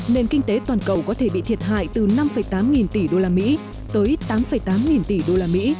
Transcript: nền kinh tế toàn cầu có thể bị thiệt hại từ năm tám nghìn tỷ usd tới tám tám nghìn tỷ usd